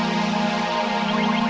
aku akan menangkapmu